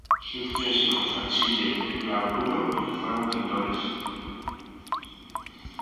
Sus hijos Achille y Arturo fueron pintores.